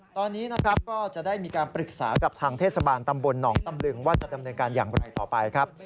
ตอนนี้นะครับก็จะได้มีการปรึกษากับทางเทศบาลตำบลหนองตำลึงว่าจะดำเนินการอย่างไรต่อไปครับ